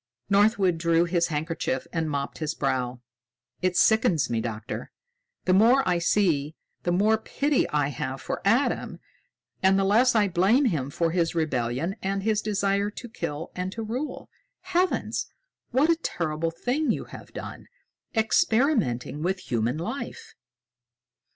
Northwood drew his handkerchief and mopped his brow. "It sickens me, Doctor! The more I see, the more pity I have for Adam and the less I blame him for his rebellion and his desire to kill and to rule. Heavens! What a terrible thing you have done, experimenting with human life."